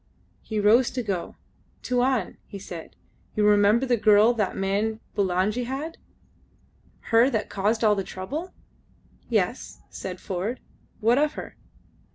He rose to go. "Tuan," he said, "you remember the girl that man Bulangi had? Her that caused all the trouble?" "Yes," said Ford. "What of her?"